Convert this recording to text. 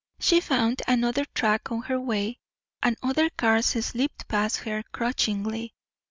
She found another track on her way, and other cars slipped past her crunchingly.